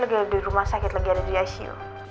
lagi ada di rumah sakit lagi ada di icu